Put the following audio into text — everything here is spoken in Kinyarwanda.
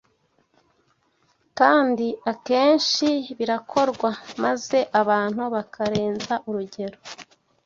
kandi akenshi birakorwa maze abantu bakarenza urugero